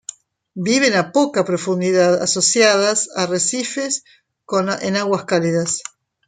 Viven a poco profundidad asociados a arrecifes en aguas cálidas.